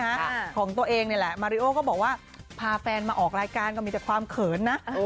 ของตัวเองนี่แหละมาริโอก็บอกว่าพาแฟนมาออกรายการก็มีแต่ความเขินนะ